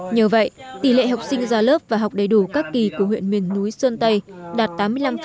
nhờ vậy tỷ lệ học sinh ra lớp và học đầy đủ các kỳ của huyện miền núi sơn tây đạt tám mươi năm